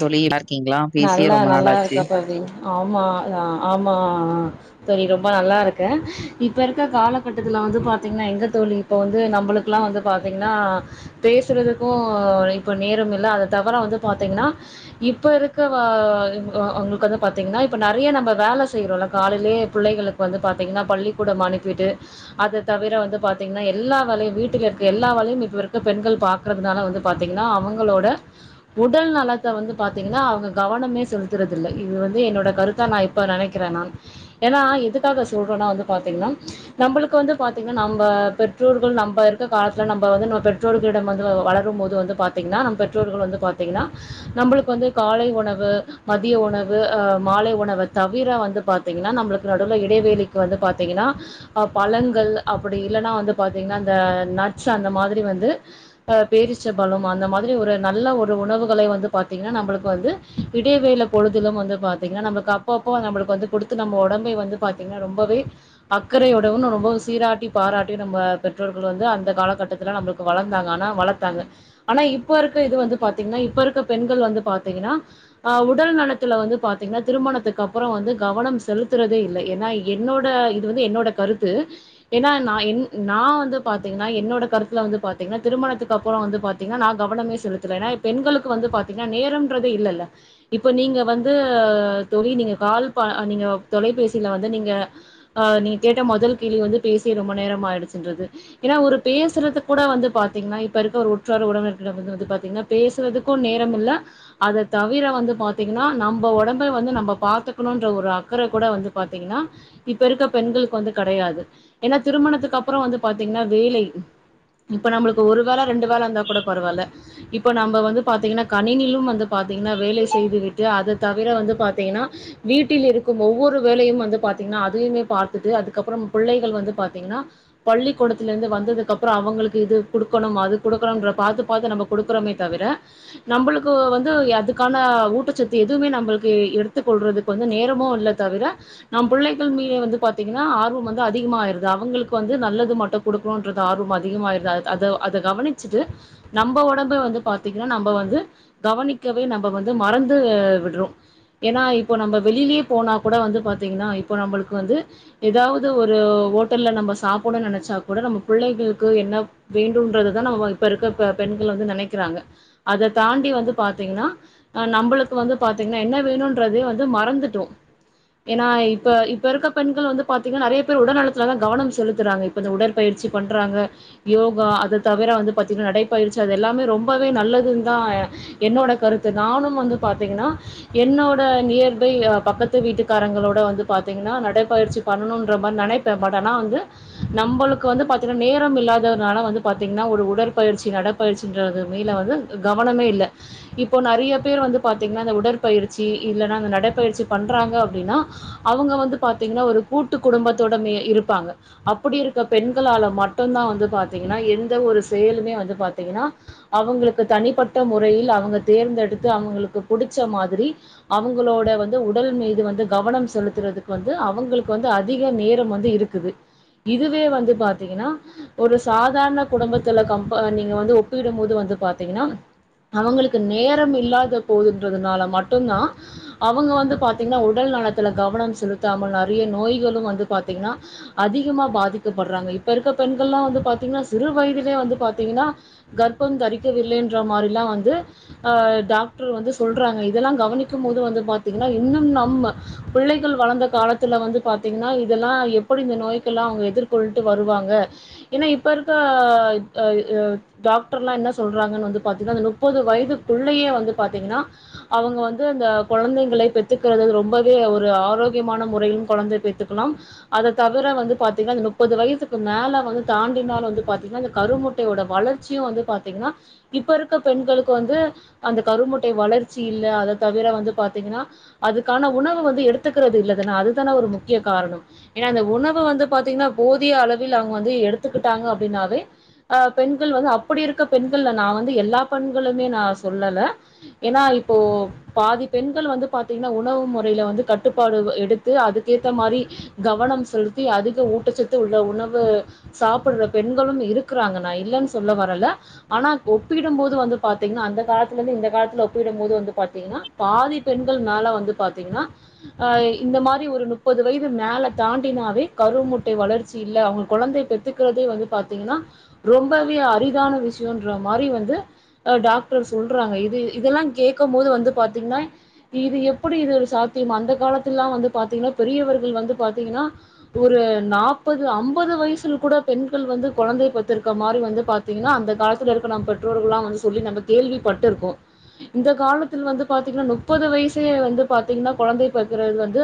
தோழி [unintelligible] பேசியே நல்லா ரொம்ப நல்லா நாளாச்சு இருக்கா பவி ஆமா ஆஹ் ஆமா தோழி ரொம்ப நல்லா இருக்கேன் இப்ப இருக்க காலகட்டத்துல வந்து பாத்தீங்கன்னா எங்க தோழி இப்ப வந்து நம்மளுக்குெல்லாம் வந்து பாத்தீங்கன்னா பேசுறதுக்கும் இப்ப நேரம் இல்ல அது தவிர வந்து பாத்தீங்கன்னா இப்ப இரு அவங்களுக்கு வந்து பாத்தீங்கன்னா இப்ப நெறைய நம்ம வேலை செய்யோம்ல காலையிலயே பிள்ளைளுக்கு வந்து பாத்தீங்கன்னா பள்ளிக்கூடம் அனுப்பிட்டு அது தவிர வந்து பாத்தீங்கன்னா எல்லா வேலையும் வீட்டுல இருக்க எல்லா வேலையும் இப்ப இருக்க பெண்கள் பாக்கறதுனால வந்து பாத்தீங்கன்னா அவங்களோட உடல் நலத்த வந்து பாத்தீங்கன்னா அவங்க கவனமே செலுத்துறது இல்ல இது வந்து என்னோட கருத்தா நான் இப்ப நெனைக்கிறேன் நான் ஏன்னா எதுக்காக சொல்றேனா வ பாத்தீங்கன்னா நம்மளுக்கு வந்து பாத்தீங்கன்னா நம்ம பெற்றோர்கள் நம்ம இருக்க காலத்துல நம் பெற்றோர்களிடம் வந்து வளரும் போது வந்துங்க பெற்றோர்கள் வந்து பாத்தீங்கன்னா நம்மளுக்கு வந்து காலை உணவு மதிய உணவு அ மாலை உணவு தவிர வந்து பாத்தீங்கன்னா நம்மளுக்கு நடுவில் இடைவேளிக்கு வந்து பாத்தீங்கன்னாஹ் பழங்கள் அப்படி இல்லைன்னா வந்து பாத்தீங்கன்னா அந்த நட்ஸ் அந்த மாதிரி வந்துஹ் பேரச்ச பழம் அந்த மாதிரி ஒரு நல்ல ஒரு உணவுகளை வந்து பாத்தீங்கன்னா நம்மளுக்கு வந்து இடைவேள பொழுதிலும் வந்து பாத்தீங்கன்னா நம்மளுக்கு அப்பப்ப நம்மளுக்கு வந்து கொடுத்து நம்ம உடம்ப வந்து பாத்தீங்கன்னா ரொம்பவே அக்கறைய உடவுன்னு ரொம்ப சீராட்டி பாராட்டி நம்ம பெற்றோர்கள் வந்து அந்த காலகட்டத்துல நம்மளுக்கு வளர்ந்தாங்க ஆனா வளர்த்தாங்க ஆனா இப்ப இருக்க இது வந்து பாத்தீங்கன்னா இப்ப இருக்க பெண்கள் வந்து பாத்தீங்கன்னா ஆஹ் உடல் நலத்துல வந்து பாத்தீங்கன்னா திருமணத்துக்கு அப்புறம் வந்து கவனம் செலுத்துறதே இல்ல ஏன்னா என்னோட இது வந்து என்னோட கருத்து ஏன்னா ந என் நான் வந்து பாத்தீங்கன்னா என்னோட கருத்துல வந்து பாத்தீங்கன்னா திருமணத்துக்கு அப்புறம் வந்து பாத்தீங்கன்னா நான் கவனமே செலுத்தல ஏன்னா பெண்களுக்கு வந்து பாத்தீங்கன்னா நேரம்ன்றதே இல்லல்ல இப்ப நீங்க வந்து தொழி நீங்க கால் நீங்க தொலைபேசியில வந்து நீங்க ஆஹ் நீங்க கேட்ட முதல் கேள்வி வந்து பேசி ரொம்ப நேரம் ஆயிடுச்சுன்றது ஏன்னா ஒரு பேசுறது கூட வந்து பாத்தீங்கன்னா இப்ப இருக்க ஒரு உற்றார உறவினர் இருக்க வந்து பாத்தீங்கன்னா பேசுறதுக்கும் நேரம் இல்ல அது தவிர வந்து பார்த்தீங்கன்னா நம்ம உடம்பை வந்து நம்ம பாத்துக்கணும்ன்ற ஒரு அக்கறை கூட வந்து பாத்தீங்கன்னா இப்ப இருக்க பெண்களுக்கு வந்து கெடையாது ஏன்னா திருமணத்துக்கு அப்புறம் வந்து பாத்தீங்கன்னா வேலை இப்ப நம்மளுக்கு ஒரு வேல ரெண்டு வேல இருந்தா கூட பரவாயில்ல இப்ப நம்ம வந்து பாத்தீங்கன்னா கணினிலும் வந்து பாத்தீங்கன்னா வேலை செய்துவிட்டு அதை தவிர வந்து பாத்தீங்கனா வீட்டில் இருக்கும் ஒவ்வொரு வேலையும் வந்து பாத்தீங்கன்னா அதையுமே பார்த்துட்டு அதுக்கப்புறம் பிள்ளைகள் வந்து பாத்தீங்கன்னா பள்ளிக்கூடத்தில் இருந்து வந்ததுக்கப்புறம் அவங்களுக்கு இது கொடுக்கணும் அது கொடுக்கணும் பாத்து பாத்து நம்ம குடுக்கறோமே தவிர நம்மளுக்கு வந்து வ அதுக்கான ஊட்டச்சத்து எதுவுமே நம்மளுக்கு எடுத்துக் கொள்றதுக்கு வந்து நேரமோ இல்ல தவிர நம் பிள்ளைகள் மீத வந்து பாத்தீங்கன்னா ஆர்வம் வந்து அதிகமாயிருது அவங்களுக்கு வந்து நல்லது மட்டும் கொடுக்கணும்ன்றது ஆர்வம் அதிகமாயிருது அத அத கவனிச்சுட்டு நம்ம ஒடம்பு வந்து பாத்தீங்கன்னா நம்ம வந்து கவனிக்கவே நம்ம வந்து மறந்து விடுறோம் ஏன்னா இப்போ நம்ம வெளியிலயே போனா கூட வந்து பாத்தீங்கன்னா இப்போ நம்மளுக்கு வந்து ஏதாவது ஒரு ஹோட்டல்ல நம்ம சாப்பிடணும்னு நெனைச்சா கூட நம்ம பிள்ளைகளுக்கு என்ன வேண்டும்ன்றதுதான் நம்ம இப்போ இருக்க பெண்கள் வந்து நெனைக்கிறாங்க அதை தாண்டி வந்து பாத்தீங்கன்னா நம்மளுக்கு வந்து பாத்தீங்கன்னா என்ன வேணும்ன்றதே வந்து மறந்துற்றொம் ஏன்னா இப்ப இப்ப இருக்க பெண்கள் வந்து பாத்தீங்கன்னா நெறைய பேர் உடல் நலத்துலதான் கவனம் செலுத்துறாங்க இப்ப இந்த உடற்பயிற்சி பண்றாங்க யோகா அதை தவிர வந்து பாத்தீங்கன்னா நடைப்பயிற்சி அது எல்லாமே ரொம்பவே நல்லதுன் தான் என்னோட கருத்து நானும் வந்து பாத்திங்கன்னா என்னோட நியர்பை பக்கத்து வீட்டுக்காரங்களோட வந்து பாத்திங்கன்னா நடைப்பயிற்சி பண்ணணுன்ற மாதிரி நெனைப்பேன் பட் ஆனால் வந்து நம்மளுக்கு வந்து பாத்தீங்கன்னா நேரம் இல்லாததுனால வந்து பாத்திங்கன்னா ஒரு உடற்பயிற்சி நடப்பயிற்சின்றது மேலே வந்து கவனமே இல்ல இப்போ நறைய பேர் வந்து பாத்தீங்கன்னா அந்த உடற்பயிற்சி இல்லைன்னா அந்த நடைப்பயிற்சி பண்றாங்க அப்படின்னா அவங்க வந்து பாத்தீங்கன்னா ஒரு கூட்டு குடும்பத்தோடமே இருப்பாங்க அப்படி இருக்க பெண்களால மட்டும்தான் வந்து பாத்தீங்கன்னா எந்த ஒரு செயலுமே வந்து பாத்தீங்கன்னா அவங்களுக்கு தனிப்பட்ட மு முறையில் அவங்க தேர்ந்தெடுத்து அவங்களுக்கு புடிச்ச மாதிரி அவங்களோட வந்து உடல் மீது வந்து கவனம் செலுத்துறதுக்கு வந்து அவங்களுக்கு வந்து அதிக நேரம் வந்து இருக்குது இதுவே வந்து பாத்தீங்கன்னா ஒரு சாதாரண குடும்பத்துல கம்பே நீங்க வந்து ஒப்பிட போது வந்து பாத்தீங்கன்னா அவங்களுக்கு நேரம் இல்லாத போதுன்றதுனால மட்டும்தான் அவங்க வந்து பார்த்தீங்கன்னா உடல் நலத்துல கவனம் செலுத்தாமல் நெறைய நோய்களும் வந்து பார்த்தீங்கன்னா அதிகமா பாதிக்கப்படுறாங்க இப்ப இருக்க பெண்கள்லாம் வந்து பார்த்தீங்கன்னா சிறு வயதிலேயே வந்து பார்த்தீங்கன்னா கர்ப்பம் தரிக்கவில்லைன்ற மாதிரிலாம் வந்து து டாக்டர் வந்து சொல்றாங்க இதெல்லாம் கவனிக்கும் போது வந்து பாத்தீங்கன்னா இன்னும் நம்ம பிள்ளைகள் வளர்ந்த காலத்துல வந்து பாத்தீங்கன்னா இதெல்லாம் எப்படி இந்த நோய்க்கெல்லாம் எதிர்கொண்டு வருவாங்க ஏன்னா இப்ப இருக்க டாக்டர் எல்லாம் என்ன சொல்றாங்கன்னு வந்து பார்த்தீங்கன்னா முப்பது வயதுக்குள்ளயே வந்து பார்த்தீங்கன்னா அவங்க வந்து அந்த குழந்தைங்களை பெத்துக்கிறது ரொம்பவே ஒரு ஆரோக்கியமான முறையில் குழந்தை பெத்துக்கணும் அதை தவிர வந்து பாத்தீங்கன்னா இந்த முப்பது வயசுக்கு மேல வந்து தாண்டினால வந்து பாத்தீங்கன்னா இந்த கருமுட்டையோட வளர்ச்சியும் வந்து பாத்தீங்கன்னா இப்ப இருக்க பெண்களுக்கு வந்து அந்த கருமுட்டை வளர்ச்சி இல்ல அதை தவிர வந்து பார்த்தீங்கன்னா அதுக்கான உணவு வந்து எடுத்துக்கிறது இல்லலைதானா அதுதானே ஒரு முக்கிய காரணம் ஏன்னா அந்த உணவு வந்து பாத்தீங்கன்னா போதிய அளவில் அவங்க வந்து எடுத்துக்கிட்டாங்க அப்படின்னாவே அஹ் பெண்கள் வந்து அப்படி இருக்க பெண்கள்ல நான் வந்து எல்லா பெண்களுமே நான் சொல்லல ஏன்னா இப்போ பாதி பெண்கள் வந்து பாத்தீங்கன்னா உணவு முறையில வந்து கட்டுப்பாடு எடுத்து அதுக்கேத்த மாதிரி கவனம் செலுத்தி அதிக ஊட்டச்சத்து உள்ள உணவு சாப்பிடுற பெண்களும் இருக்குறாங்க நான் இல்லன்னு சொல்ல வரல ஆனா ஒப்பிடும் போது வந்து பாத்தீங்கன்னா அந்த காலத்துல இருந்து இந்த காலத்துல ஒப்பிடும் போது வந்து பாத்தீங்கன்னா பாதி பெண்கள் மேல வந்து பாத்தீங்கன்னா அஹ் இந்த மாதிரி ஒரு முப்பது வயது மேல தாண்டினாவே கரு முட்டை வளர்ச்சி இல்ல அவங்க கொழந்தை பெத்துக்கறதே வந்து பாத்தீங்கன்னா ரொம்பவே அரிதான விஷயம்ன்ற மாதிரி வந்து டாக்டர் சொல்றாங்க இது இதெல்லாம் கேக்கும் போது வந்து பாத்தீங்கன்னா இது எப்படி இது சாத்தியமா அந்த காலத்து எல்லாம் வந்து பாத்தீங்கன்னா பெரியவர்கள் வந்து பாத்தீங்கன்னா ஒரு நாற்பது ஐம்பது வயசுல கூட பெண்கள் வந்து கொழந்தை பெத்துருக்கற மாதிரி வந்து பாத்தீங்கன்னா அந்த காலத்துல இருக்க நம் பெற்றோர்கள் எல்லாம் வந்து கேள்வி பட்டிருக்கோம் இந்த காலத்தில் வந்து பாத்தீங்கன்னா முப்பது வயசே வந்து பாத்தீங்கன்னா குழந்தை பெக்கறதுல வந்து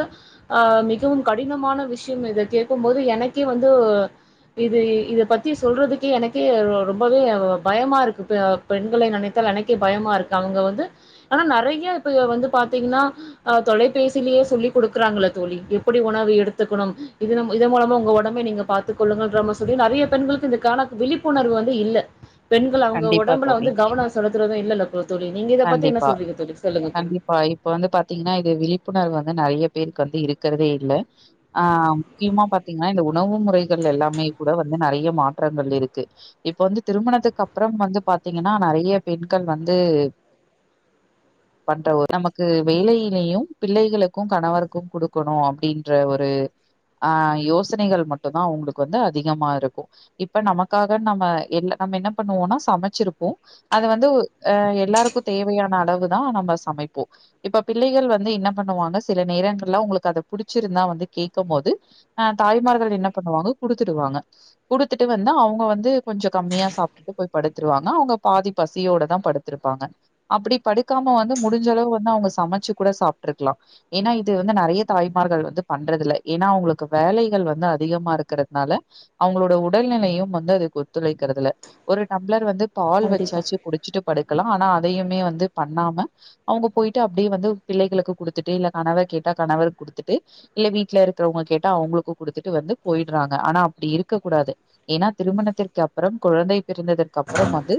ஆஹ் மிகவும் கடினமான விஷயம் இத கேட்கபோது எனக்கே வந்து இது இத பத்தி சொல்றதுக்கே எனக்கே ரொம்பவே பயமா இருக்கு பெண்களை நினைத்தால் எனக்கே பயமா இருக்கு அவங்க வந்து ஆனா நறைய இப்ப வந்து பாத்தீங்கன்னா அஹ் தொலைபேசியிலேயே சொல்லி் கொடுக்குறாங்களே தோழி எப்படி உணவு எடுத்துக்கணும் இது இதன் மூலமா உங்க உடம்பே நீங்க பார்த்துக் கொள்ளுங்கள் சொல்லி நறைய பெண்களுக்கு இதற்கான விழிப்புணர்வு வந்து இல்ல பெண்கள் அவங்க ஒட கண்டிப்பா தோழி வந்து கவனம் செலுத்துறதும் இல்லல தோழி நீங்க இத பத்தி என்ன கண்டிப்பா சொல்றீங்க தோழி சொல்லுங்க தோழி கண்டிப்பா இப்ப வந்து பாத்தீங்கன்னா இது விழிப்பு விழிப்புணர்வு வந்து நறைய பேருக்கு வந்து இருக்கிறதே இல்ல ஆ முக்கியமா பாத் திங்கன்னா இந்த உணவு முறைகள் எல்லாமே கூட வந்து நறைய மாற்றங்கள் இருக்கு இப்ப வந்து திருமணத்துக்கு அப்புறம் வந்து பாத்தீங்கன்னா நறைய பெண்கள் வந்து பண்ற நமக்கு வேலையிலயும் பிள்ளைகளுக்கும் கணவருக்கும் கொடுக்கணும் அப்படின்ற ஒரு ஆ யோசனைகள் மட்டும தான் அவங்களுக்கு வந்து அதிகமா இருக்கும் இப்ப நமக்காக நம்ம எல்ல நம்ம என்ன பண்ணுவோம்னா சமைச்சிருப்போம் அது வந்து ஆ எல்லாருக்கும் தேவையான அளவு தான் நம்ம சமைப்போம் இப்ப பிள்ளைகள் வந்து என்ன பண்ணுவாங்க சில நேரங்கள்ல உங்களுக்கு அதை புடிச்சிருந்தா வந்து கேட்கும் போது ஆ தாய்மார்கள் என்ன பண்ணுவாங்க குடுத்துடுவாங்க குடுத்துட்டு வந்து அவங்க வந்து கொஞ்சம் கம்மியா சாப்பிட்டுட்டு போய் படுத்துடுவாங்க அவங்க பாதி பசியோடதான் படுத்திருப்பாங்க அப்படி படுக்காம வந்து முடிஞ்சளவு வந்து அவங்க சமைச்சு கூட சாப்பிட்டு இருக்கலாம் ஏன்னா இது வந்து நிறைய தாய்மார்கள் வந்து பண்றதில்லை ஏன்னா அவங்களுக்கு வேலைகள் வந்து அதிகமா இருக்கிறதுனால அவங்களோட உடல் நிலையும் வந்து அதுக்கு ஒத்துழைக்கிறதில்லை ஒரு டம்ளர் வந்து பால் கண்டிப்பா வச்சாச்சு குடிச்சிட்டு படு லாம் ஆனா எதையுமே வந்து பண்ணாம அவங்க போயிட்டு அப்படியே வந்து பிள்ளைகளுக்கு கொடுத்துட்டு இல்ல கணவர் கேட்டா கணவருக்கு கொடுத்துட்டு இல்ல வீட்டுல இருக்கிறவங்க கேட்டா அவங்களுக்கு குடுத்துட்டு வந்து போயிடுறாங்க ஆனா அப்படி இருக்க கூடாது ஏன்னா திருமணத்திற்கு அப்புறம் குழந்தை பிறந்ததற்கு அப்புறம் வந்து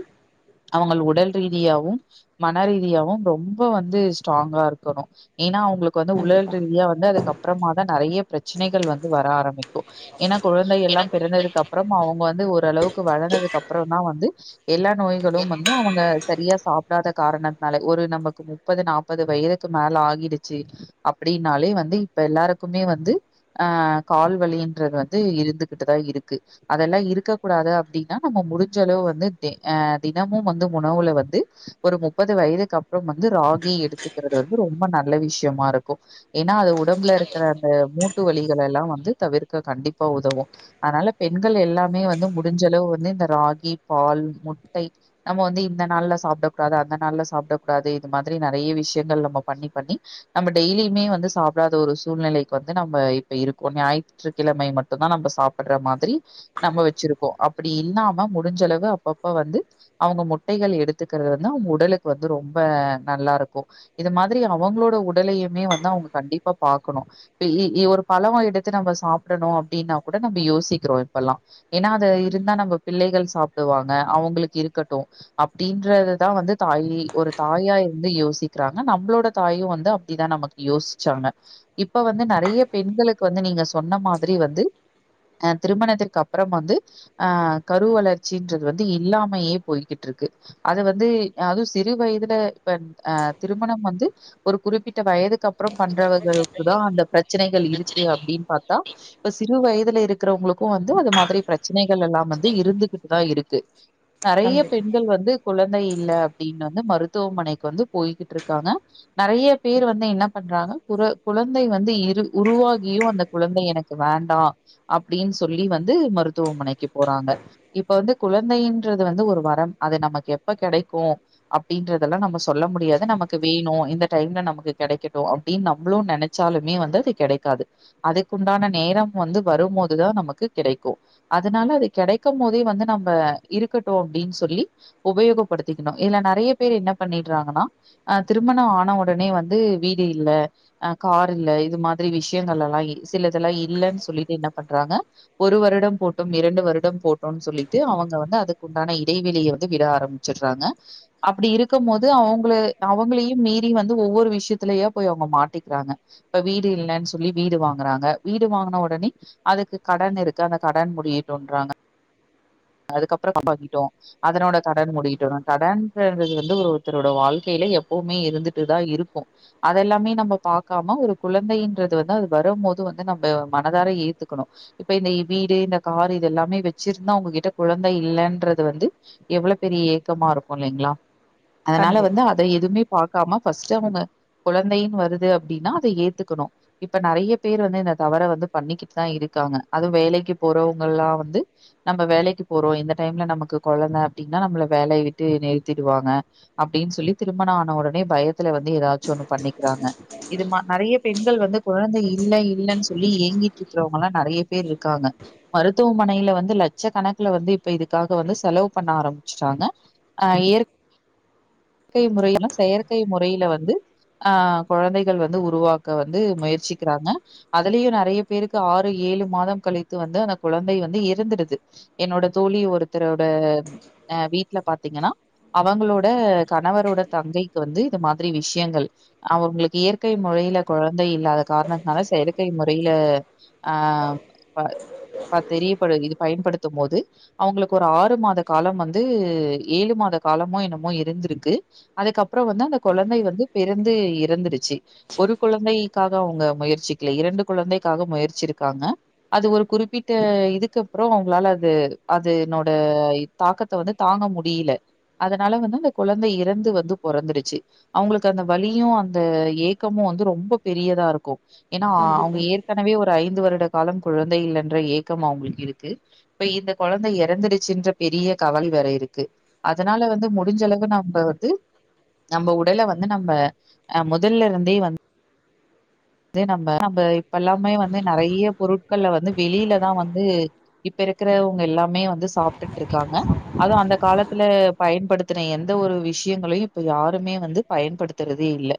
அவங்க உடல் ரீதியாவும் மனரீதியாவும் ரொம்ப வந்து ஸ்ட்ராங்கா இருக்கணும் ஏன்னா அவங்களுக்கு வந்து உடல் கண்டிப்பா ரீதியா வந்து அது அப்பு அப்புறமா தான் நிறைய பிரச்சனைகள் வந்து வர ஆரம்பிக்கும் ஏனா குழந்தை ஏன்னா எல்லாம் குழந்தைகளுக்கு பிறந்ததுக்கு அப்புறம் அவங்க வந்து ஓரளவுக்கு வளர்ந்ததுக்கு அப்புறம் தான் வந்து எல்லா நோய்களும் வந்து அவங்க சரியா சாப்ப டாத காரணத்தனால ஒரு நமக்கு முப்பது நாற்பது வயதுக்கு மேல ஆகிடுச்சு அப்படின்னாலே வந்து இப்ப எல்லாருக்குமே வந்து ஆ கால் வலின்றது வந்து இருந்துகிட்டுதான் இருக்கு அதெல்லாம் இருக்க கூடாது அப்படின்னா நம்ம முடிஞ்ச அளவு வந்து ஆ தினமும் வந்து உணவுல வந்து ஒரு முப்பது வயதுக்கு அப்புறம் வந்து ராகி எடுத்துக்கிறது வந்து ரொம்ப நல்ல விஷயமா இருக்கும் ஏன்னா அது உடம்புல இருக்கிற அந்த மூட்டு வழிகளை எல்லாம் வந்து தவிர்க்க கண்டிப்பா உதவும் அதனால பெண்கள் எல்லாமே வந்து முடிஞ்சளவு வந்து இந்த ராகி பால் முட்டை நம்ம வந்து இந்த நாள்ல சாப்ட ந்த சாப்பிட கூடாது இது மாதிரி நிறைய விஷயங்கள் நம்ம பண்ணி பண்ணி நம்ம டெய்லியுமே வந்து சாப்பிடாத ஒரு சூழ்நிலைக்கு வந்து நம்ம இப்ப இருக்கோ ஞாயிற்றுக்கிழமை மட்டும் தான் நம்ம சாப்பிடுற மாதிரி நம்ம வச்சிருக்கோம் அப்படி இல்லாம முடிஞ்சளவு அப்பப்ப வந்து அவங்க முட்டைகள் எடுத்து இரு வந்து அவங்க உடலுக்கு வந்து ரொம்ப நல்லா இருக்கும் இது மாதிரி அவங்களோட உடலையுமே வந்து அவங்க கண்டிப்பா பார்க்கணும் இ இ ஒரு பழம் எடுத்து நம்ம சாப்பிடணும் அப்படின்னா கூட நம்ம யோசிக்கிறோம் இப்பல்லாம் ஏன்னா அது இருந்தா நம்ம பிள்ளைகள் சாப்பிடுவாங்க அவங்களுக்கு இருக்கட்டும் அப்படீன்னு து தான் வந்து தாயி ஒரு தாயா இருந்து யோசிக்கிறாங்க நம்மளோட தாயும் வந்து அப்படிதான் நமக்கு யோசிச்சாங்க இப்ப வந்து நறைய பெண்களுக்கு வந்து நீங்க சொன்ன மாதிரி வந்து அஹ் திருமணத்திற்கு அப்புறம் வந்து ஆ கரு வளர்ச்சின்றது வந்து இல்லாமையே போய்கிட்டு இருக்கு அது வந்து அதுவும் சிறு வயதுல இப்ப ஆ திருமணம் வந்து ஒரு குறிப்பிட்ட வயதுக்கு அப் அப்புறம் பண்றவர்களுக்கு நெறைய தான் அந்த பிரச்சனைகள் இருக்கு பிரச்சனைகள் அப்படின்னு பார்த்தா இப்ப சிறு வயதுல இருக்கிறவங்களுக்கும் வந்து அது மாதிரி பிரச்சனைகள் எல்லாம் வந்து இருந்துகிட்டுதான் இருக்கு நறைய கண்டிப் பெண்கள் வந்து குழந்தை இல்லை அப்படின்னு வந்து மருத்துவமனைக்கு வந்து போய்கிட்டு இருக்காங்க நறைய பேர் வந்து என்ன பண்றாங்க குற குழந்தை வந்து இரு உருவாகியும் அந்த குழந்தை எனக்கு வேண்டாம் அப்படின்னு சொல்லி வந்து மருத்துவமனைக்கு போறாங்க இப்ப வந்து குழந்தைன்றது வந்து ஒரு வரம் அது நமக்கு எப் ப கிடைக்கும் அப்படின்றதெல்லாம் நம்ம சொல்ல முடியாது நமக்கு வேணும் இந்த டைம்ல நமக்கு கிடைக்கட்டும் அப்படின்னு நம்மளும் நினைச்சாலுமே வந்து அது கிடைக்காது அதுக்குண்டான நேரம் வந்து வரும்போதுதான் நமக்கு கிடைக்கும் அதனால அது கிடைக்கும் போதே வந்து நம்ம இருக்கட்டும் அப்படின்னு சொல்லி உபயோகப்படுத்திக்கணும் இது நிறைய பேர் என்ன பண்ணிடுறாங்கன்னா ஆ திருமணம் ஆன உடனே வந்து வீடு இல் ஆ கார் இல்ல இது மாதிரி விஷயங்கள் எல்லாம் சில இதெல்லாம் இல்லைன்னு சொல்லிட்டு என்ன பண்றாங்க ஒரு வருடம் போட்டோம் இரண்டு வருடம் போட்டோம்ன்னனு சொல்லிட்டு அவங்க வந்து அதுக்குண்டான இடைவெளியை வந்து விட ஆரம்பிச்சறாங்க அப்படி இருக்கும் போது அவங்கள அவங்களையும் மீறி வந்து ஒவ்வொரு விஷயத்தலயே போய் அவங்க மாட்டிக்கிறாங்க இப்ப வீடு இல்லைன்னு சொல்லி வீடு வாங்கறாங்க வீடு வாங்கின உடனே அதுக்கு கடன் இருக்கு அந்த கடன் முடிட்டுன்றாங்க அதுக்கப்புறம் ங்கிட்டோ அதனோட கடன் முடிக்கட்டுணும் கடன்ன்றது வந்து ஒருத்தரோட வாழ்க்கையில எப்பவுமே இருந்துட்டுதான் இருக்கும் அதெல்லாமே நம்ம பார்க்காம ஒரு குழந்தைன்றது வந்து அது வரும் போது வந்து நம்ம மனதார ஏத்துக்கணும் இப்ப இந்த வீடு இந்த காரு இது எல்லாமே வச்சிருந்தா உங்ககிட்ட குழந்தை இல்லைன்றது வந்து எவ்வளவு பெரிய ஏக்கமா இருக்கும் இல்லைங்களா அதனால வந்து அதை எதுவுமே பார்க்காம பஃபஸ்ட் அவங்க குழந்தைன்னு வருது அப்படின்னா அதை ஏத்துக்கணும் இப்ப நறைய பேர் வந்து இந்த தவற வந்து பண்ணிக்கிட்டு தான் இருக்காங்க அதுவும் வேலைக்கு போறவங்க எல்லாம் வந்து நம்ம வேலைக்கு போறோம் இந்த டைம்ல நமக்கு குழந்தை அப்படின்னா நம்மளை வேலையை விட்டு நிறுத்திடுவாங்க அப்படின்னு சொல்லி திருமணம் ஆன உடனே பயத்துல வந்து ஏதாச்சும் ஒண்ணு பண்ணிக்கிறாங்க இது மா நறைய பெண்கள் வந்து குழந்தை இல் இல்ன்னு சொல்லி இயங்கிட்டு இருக்கிறவங்கல்லாம் நிறைய பேர் இருக்காங்க மருத்துவமனையில வந்து லட்ச கணக்கல வந்து இப்ப இதுக்காக வந்து செலவு பண்ண ஆரம்பிச்சட்டாங்க ஆ இயற்கை முற செயற்கை முறையில வந்து ஆ குழந்தைகள் வந்து உருவாக்க வந்து முயற்சிக்கிறாங்க அதுலயும் நிறைய பேருக்கு ஆறு ஏழு மாதம் கழித்து வந்து அந்த குழந்தை வந்து இறந்துடுது என்னோட தோழி ஒருத்தர் வீட்ல பார்த்த ங்கன்னா அவங்களோட கணவரோட தங்கைக்கு வந்து இது மாதிரி விஷயங்கள் அவங்களுக்கு இயற்கை முறையில குழ ந்தை இல்லாத காரணத்தால செயற்கை முறையில ஆ தெரியப்படு இது பயன்படுத்த போது அவங்களுக்கு ஒரு ஆறு மாத காலம் வந்து ஏழு மாத காலமோ என்னமோ இருந்திருக்கு அதுக்கப்புற வந்து அந்த கொழந்தை வந்து பிறந்து இறந்துருச்சு ஒரு குழந்தைக்காக அவங்க முயற்சிக்கல இரண்டு குழந்தைக்காக முயற்சிருக்காங்க அது ஒரு குறிப்பிட்ட இதுக்கப்புற அவங்களால அது அது என்னோட அந்த தாக்கத்தை வந்து தாங்க முடியல அதனால வந்து அந்த குழந்தை இறந்து வந்து பொறந்துடுச்சு அவங்களுக்கு அந்த வழியு அந்த ஏக்கமு வந்து ரொம்ப பெரியதா இருக்கு ஏன்னா அவங்க ஏற்கனவே ஒரு ஐந்து வருட காலம் குழந்தை இல்லன்ற ஏக்கம் அவங்களுக்கு இருக்கு இப்ப இந்த கொழந்தை இறந்தடு ச்சென்ற பெரிய கவல் வேற இருக்கு அதனால வந்து முடிஞ்சளவு நம்ம வந்து நம்ம உடல வந்து நம்ம அஹ் முதல்ல இருந்தே வந்து து நம்ம நம்ம இப்ப எல்லாமே வந்து நறைய பொருட்கள்ல வந்து வெளியிலதா வந்து இப்ப இருக்கிறவங்க எல்லாமே வந்து சாப்பிட்டுட்டு இருக்காங்க அதுவு அந்த காலத்துல பயன்படுத்துன எந்த ஒரு விஷயங்களையு இப்ப யாருமே வந்து பயன்படுத்துறதே இல்லை